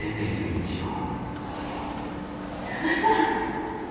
久我さん！